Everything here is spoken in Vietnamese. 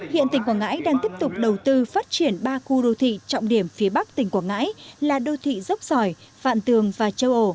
hiện tỉnh quảng ngãi đang tiếp tục đầu tư phát triển ba khu đô thị trọng điểm phía bắc tỉnh quảng ngãi là đô thị dốc sỏi vạn tường và châu ổ